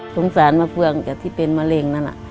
สงสารมะเฟืองจากที่เป็นมะเร็งนั่นน่ะ